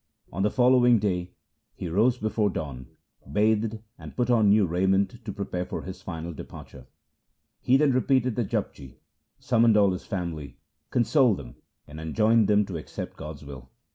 On the following day he rose before dawn, bathed, and put on new raiment to prepare for his final departure. He then repeated the Japji, summoned all his family, consoled them, and enjoined them to accept God's will.